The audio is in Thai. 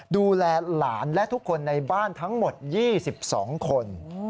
ดูแลหลานและทุกคนในบ้านทั้งหมด๒๒คน